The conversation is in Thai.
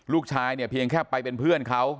ลูกชายเนี่ยเพียงแค่ไปเป็นเพื่อนเขา